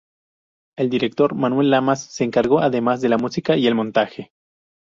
El director, Manuel Lamas, se encargó además de la música y el montaje.